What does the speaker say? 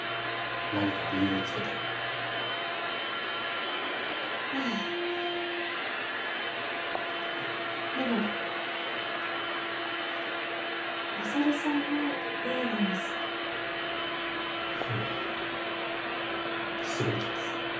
何か理由をつけてええでも勝さんの家なんです悠依すぐ行きます